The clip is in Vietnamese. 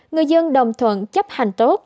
người dân đồng thuận chấp hành tốt